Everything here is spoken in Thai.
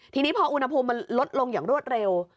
ทีนี้พออุณหภูมิมันลดลงอย่างรวดเร็ว